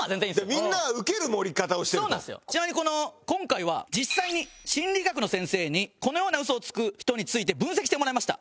ちなみに今回は実際に心理学の先生にこのような嘘をつく人について分析してもらいました。